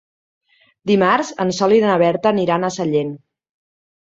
Dimarts en Sol i na Berta aniran a Sellent.